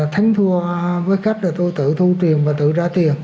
thánh thua với cách là tôi tự thu tiền và tự ra tiền